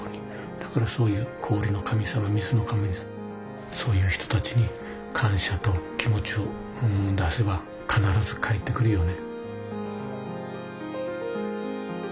だからそういう氷の神様水の神様そういう人たちに感しゃと気持ちを出せばかならず返ってくるよね。